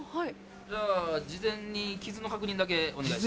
じゃあ事前に傷の確認だけお願いします。